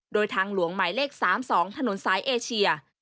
โดยทางหลวงหมายเลข๓๒ถนนสายเอเชีย